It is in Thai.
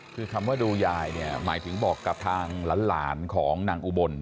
คือคำว่าดูยายเนี่ยหมายถึงบอกกับทางหลานของนางอุบล